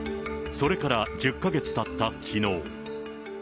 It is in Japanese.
それから１０か月たったきのう。